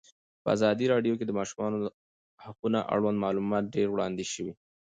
په ازادي راډیو کې د د ماشومانو حقونه اړوند معلومات ډېر وړاندې شوي.